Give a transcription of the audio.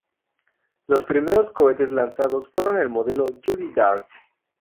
Los primeros cohetes lanzados fueron del modelo Judi-Dart.